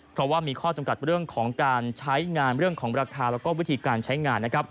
เพราะว่ามีข้อจำกัดเรื่องของการใช้งานเรื่องของราคาแล้วก็วิธีการใช้งานนะครับ